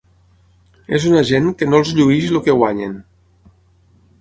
És una gent que no els llueix el que guanyen.